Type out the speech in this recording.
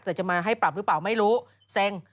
แต่จะมาให้ปรับหรือเปล่าไม่รู้เซ็ง